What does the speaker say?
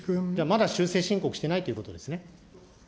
まだ修正申告してないということですね。